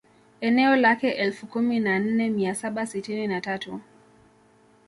Eneo lake elfu kumi na nne mia saba sitini na tatu